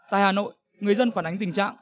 tại hà nội người dân phản ánh tình trạng